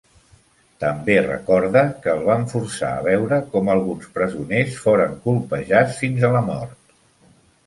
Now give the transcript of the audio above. També recorda que el van forçar a veure com alguns presoners foren colpejats fins a la mort.